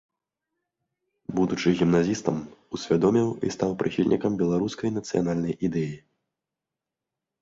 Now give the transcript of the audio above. Будучы гімназістам, усвядоміў і стаў прыхільнікам беларускай нацыянальнай ідэі.